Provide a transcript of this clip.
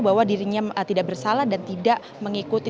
bahwa dirinya tidak bersalah dan tidak mengikuti